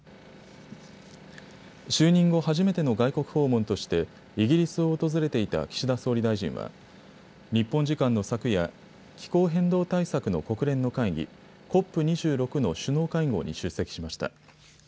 就任後初めての外国訪問としてイギリスを訪れていた岸田総理大臣は日本時間の昨夜、気候変動対策の国連の会議、ＣＯＰ２６の首脳会合に出席しました。